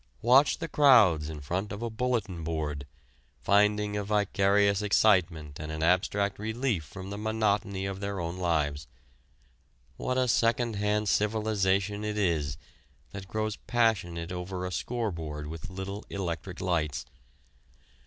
Watch the crowds in front of a bulletin board, finding a vicarious excitement and an abstract relief from the monotony of their own lives. What a second hand civilization it is that grows passionate over a scoreboard with little electric lights!